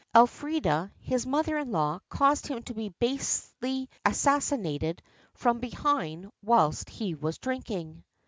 Elfrida, his mother in law, caused him to be basely assassinated from behind whilst he was drinking.